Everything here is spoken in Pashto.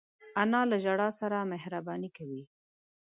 انا له ژړا سره مهربانې کوي